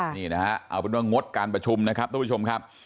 เพราะว่างงดการประชุมนะครับทุกผู้ชมครับ